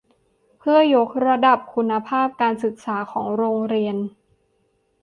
เพื่อยกระดับคุณภาพการศึกษาของโรงเรียน